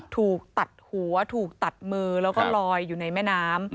ถูกตัดหัวถูกตัดมือแล้วก็ลอยอยู่ในแม่น้ำ